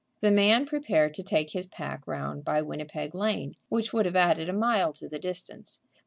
The man prepared to take his pack round by Winnipeg Lane, which would have added a mile to the distance.